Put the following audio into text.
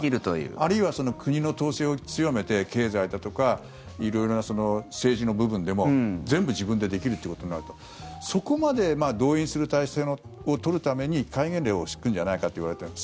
あるいは国の統制を強めて経済だとか色々な政治の部分でも全部自分でできるということになるとそこまで動員する体制を取るために戒厳令を敷くんじゃないかといわれている。